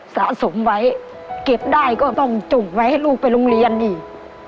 สะสมไว้เก็บได้ก็ต้องจุ่มไว้ให้ลูกไปโรงเรียนอีก